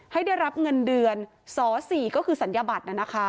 ให้ได้รับเงินเดือนส๔ก็คือศัลยบัตร